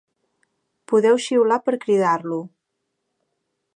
podeu xiular per cridar-lo